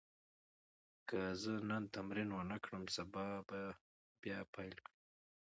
که زه نن تمرین ونه کړم، سبا به بیا پیل کړم.